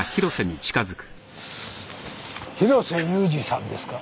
広瀬裕二さんですか？